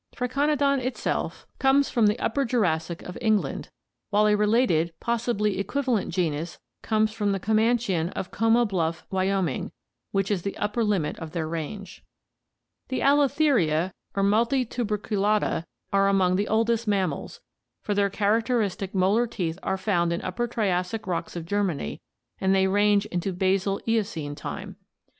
Triconodon itself conies from the Upper Jurassic of England, while a related, possibly equivalent genus comes from the Comanchian of Como Bluff, Wyoming, which is the upper limit of their range. The AUotheria or Multi tube rcu lata are among the oldest of mam mals, for their characteristic molar teeth are found in Upper Triassic rocks of Germany and they range into basal Eocene time.